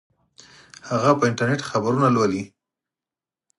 هغه په انټرنیټ خبرونه لولي